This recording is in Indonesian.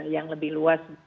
yang lebih luas